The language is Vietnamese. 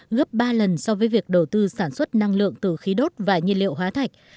gấp ba lần so với việc đầu tư sản xuất năng lượng từ khí đốt và nhiên liệu hóa thạch